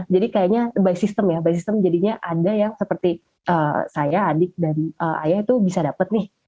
jadi kayaknya by system ya by system jadinya ada yang seperti saya adik dan ayah itu bisa dapat nih